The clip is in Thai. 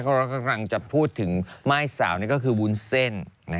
เขากำลังจะพูดถึงม่ายสาวนี่ก็คือวุ้นเส้น